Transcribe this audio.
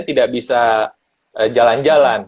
tidak bisa jalan jalan